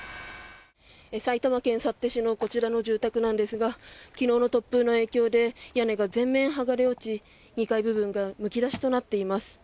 埼玉県幸手市のこちらの住宅なんですが昨日の突風の影響で屋根が全面剥がれ落ち２階部分がむき出しとなっています。